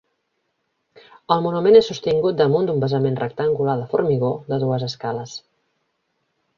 El monument és sostingut damunt d'un basament rectangular de formigó de dues escales.